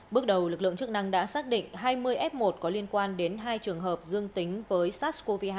bước đầu lực lượng chức năng đã xác định hai mươi f một có liên quan đến hai trường hợp dương tính với sars cov hai